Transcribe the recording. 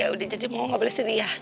ya udah jadi mau nggak boleh sedih ya